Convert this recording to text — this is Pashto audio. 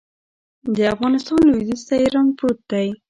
د افغانستان لویدیځ ته ایران پروت دی